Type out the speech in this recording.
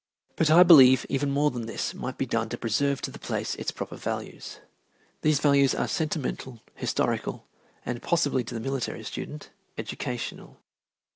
But I believe even more than this might be done to preserve to the place its proper values. These values are sentimental, historical, and possibly to the military student, educational.